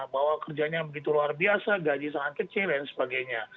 bahwa kerjanya begitu luar biasa gaji sangat kecil dan sebagainya